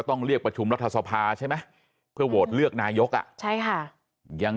ต้องเรียกประชุมรัฐสภาใช่ไหมเพื่อโหวตเลือกนายกอ่ะใช่ค่ะยัง